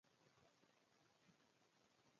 په خاص ډول بیا د دولچ له نامه څخه اغېزمن شو.